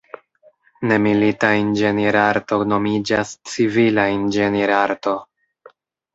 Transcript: Ne-milita inĝenierarto nomiĝas civila inĝenierarto.